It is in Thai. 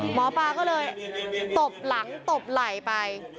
หมอปลาก็เลยตบหลังตบไหล่ไป